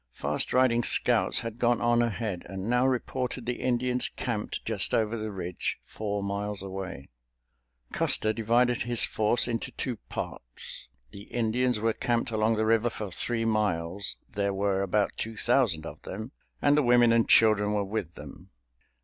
Fast riding scouts had gone on ahead, and now reported the Indians camped just over the ridge, four miles away. Custer divided his force into two parts. The Indians were camped along the river for three miles. There were about two thousand of them, and the women and children were with them.